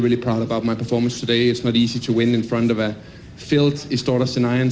tidak mudah untuk menang di depan sebuah stadion yang terlalu penuh dengan senayan